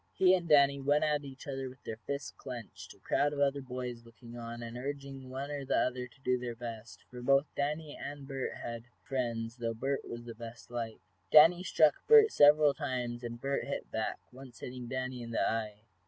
He and Danny went at each other with their fists clenched, a crowd of other boys looking on, and urging one or the other to do their best, for both Danny and Bert had friends, though Bert was the best liked. Danny struck Bert several times, and Bert hit back, once hitting Danny in the eye.